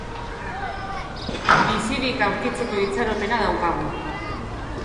Bizirik aurkitzeko itxaropena daukagu.